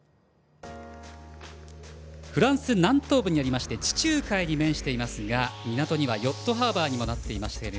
フランス南東部にありまして地中海に面していますが港はヨットハーバーにもなっています。